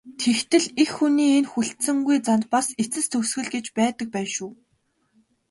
Тэгтэл эх хүний энэ хүлцэнгүй занд бас эцэс төгсгөл гэж байдаг байна шүү.